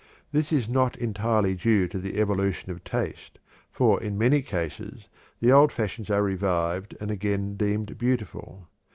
This is not entirely due to the evolution of taste, for in many cases the old fashions are revived and again deemed beautiful.